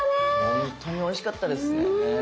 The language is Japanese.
本当においしかったですね。